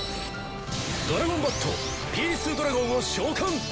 ドラゴン・バットピース・ドラゴンを召喚！